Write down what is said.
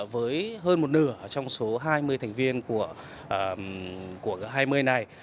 với hơn một nửa trong số hai mươi thành viên của g hai mươi này